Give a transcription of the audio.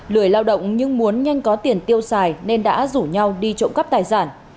lười lao động nhưng muốn nhanh có tiền tiêu xài nên đã rủ nhau đi trộm cắp tài sản